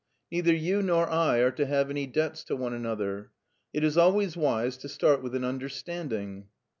Neither you nor I are to have any debts to one another. It is alwa}rs wise to start with an understanding."